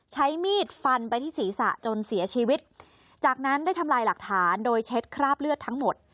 ใช้มีดฟันไปที่ศีรษะจนเสียชีวิตจากนั้นได้ทำลายหลักฐานโดยเช็ดคราบเลือดทั้งหมด